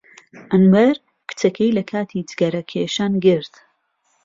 ئەنوەر کچەکەی لە کاتی جگەرەکێشان گرت.